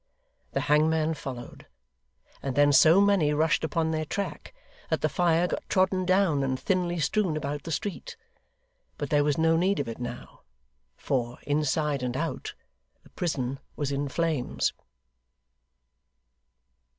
The hangman followed. And then so many rushed upon their track, that the fire got trodden down and thinly strewn about the street; but there was no need of it now, for, inside and out, the prison was in flames.